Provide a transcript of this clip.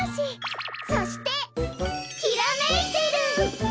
そして。きらめいてる！